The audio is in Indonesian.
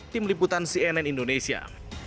tim liputan cnn indonesia